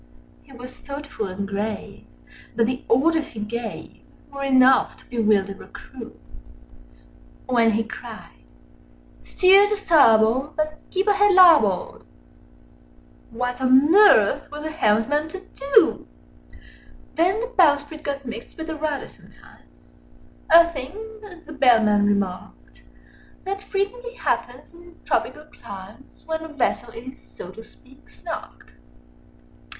He was thoughtful and grave—but the orders he gave Â Â Â Â Were enough to bewilder a crew. When he cried "Steer to starboard, but keep her head larboard!" Â Â Â Â What on earth was the helmsman to do? Then the bowsprit got mixed with the rudder sometimes: Â Â Â Â A thing, as the Bellman remarked, That frequently happens in tropical climes, Â Â Â Â When a vessel is, so to speak, "snarked."